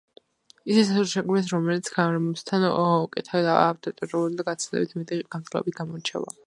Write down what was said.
ისეთი სენსორი შექმნეს, რომელიც გარემოსთან უკეთაა ადაპტირებული და გაცილებით მეტი გამძლეობით გამოირჩევა.